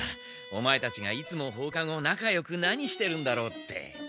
オマエたちがいつも放課後なかよく何してるんだろうって。